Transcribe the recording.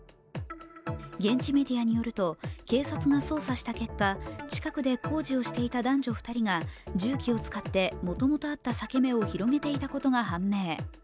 現地メディアによると警察が捜査した結果近くで工事をしていた男女２人が重機を使ってもともとあった裂け目を広げていたことが判明。